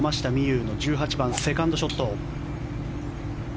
有の１８番セカンドショット。